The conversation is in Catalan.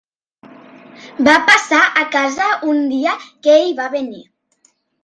Va passar a casa un dia que ell va venir.